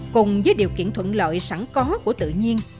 cùng với điều kiện thuận lợi sẵn có của tự nhiên